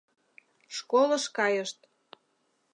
— Школыш кайышт.